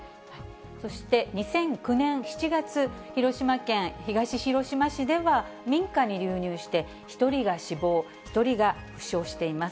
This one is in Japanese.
そして、２００９年７月、広島県東広島市では、民家に流入して、１人が死亡、１人が負傷しています。